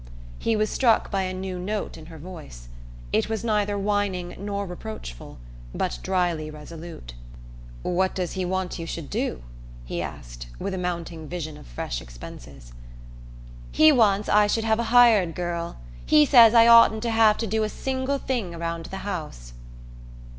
He was struck by a new note in her voice. It was neither whining nor reproachful, but drily resolute. "What does he want you should do?" he asked, with a mounting vision of fresh expenses. "He wants I should have a hired girl. He says I oughtn't to have to do a single thing around the house."